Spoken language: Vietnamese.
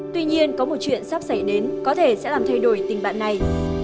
tuy nhiên có một chuyện sắp xảy đến có thể sẽ làm thay đổi tình bạn này